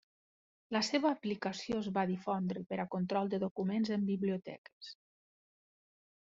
La seva aplicació es va difondre per a control de documents en biblioteques.